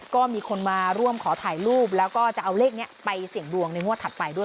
ก็มีคนมาร่วมขอถ่ายรูปแล้วก็จะเอาเลขนี้ไปเสี่ยงดวงในงวดถัดไปด้วย